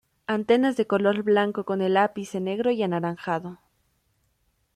Antenas de color blanco con el ápice negro y anaranjado.